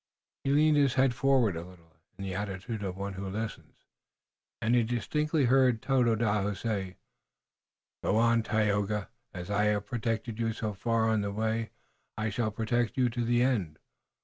He leaned his head forward a little in the attitude of one who listens, and he distinctly heard Tododaho say: "Go on, Tayoga. As I have protected you so far on the way I shall protect you to the end.